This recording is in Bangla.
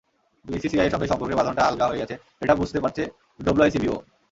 বিসিসিআইয়ের সঙ্গে সম্পর্কের বাঁধনটা আলগা হয়ে গেছে, এটা বুঝতে পারছে ডব্লুআইসিবিও।